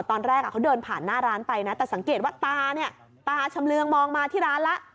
ตอนแรกเขาเดินผ่านหน้าร้านไปนะแต่สังเกตว่าตาเนี่ยตาชำเรืองมองมาที่ร้านแล้ว